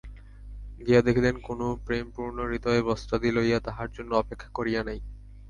গিয়া দেখিলেন, কোনো প্রেম পূর্ণ হৃদয় বস্ত্রাদি লইয়া তাহার জন্য অপেক্ষা করিয়া নাই।